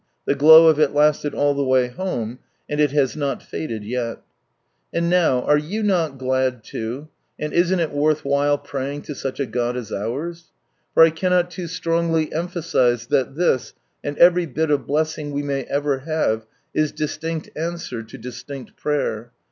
The glow of it lasted all the way home, and it has not faded yet. And now are you not glad too, and isn't it worth while praying to such a God as ours ? For I cannot too strongly emphasize that this, and every bit of blessing we may ever have, is distinct answer to distinct prayer.